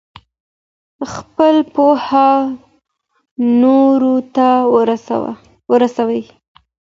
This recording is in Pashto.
خپله پوهه نورو ته ورسوئ.